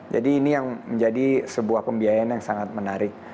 jadi ini yang menjadi sebuah pembiayaan yang sangat menarik